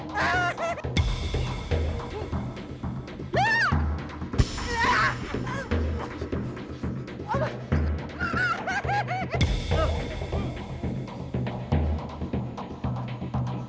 jangan lah jangan lah